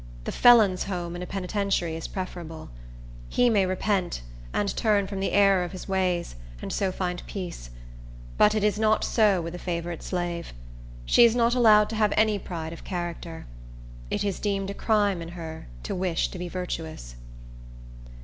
The felon's home in a penitentiary is preferable. He may repent, and turn from the error of his ways, and so find peace; but it is not so with a favorite slave. She is not allowed to have any pride of character. It is deemed a crime in her to wish to be virtuous.